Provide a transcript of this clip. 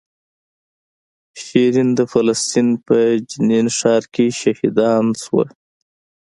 شیرین د فلسطین په جنین ښار کې شهیدان شوه.